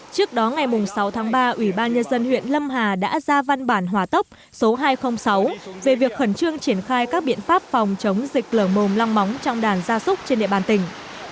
trước đó ngày sáu tháng ba ủy ban nhân dân huyện lâm hà đã ra văn bản hòa tốc số hai trăm linh sáu về việc khẩn trương triển khai các biện pháp phòng chống dịch lở mồm long móng trong đàn gia súc trên địa bàn tỉnh